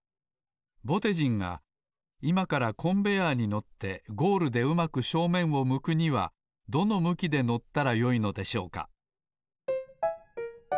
ぼてじんがいまからコンベヤーに乗ってゴールでうまく正面を向くにはどの向きで乗ったらよいのでしょうか？